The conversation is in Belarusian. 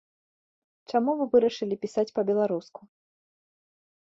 Чаму вы вырашылі пісаць па-беларуску?